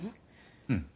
うん。